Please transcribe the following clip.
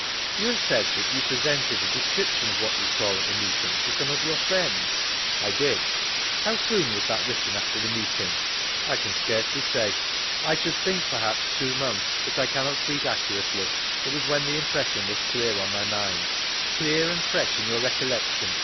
You have said that you presented a description ci what you saw at the meeting, to some of your friends?— I did. How soon was that written after the meeting ?— I can scarcely say; I should think perhaps two mcmths, but I cannot speak accurately. It was when the impression was clear on my mind. Clear and fresh in your recollection.